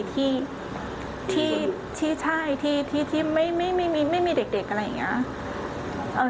ที่ใช่ที่ไม่มีเด็กอะไรอย่างนี้